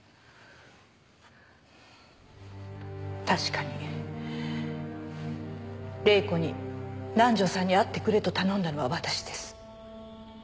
確かに麗子に南条さんに会ってくれと頼んだのは私です。